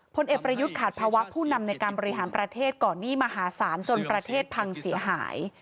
พลเอกประยุทธ์ขาดภาวะผู้นำในการบริหารประเทศก่อนนี้มหาศาลจนประเทศพังเสียหาย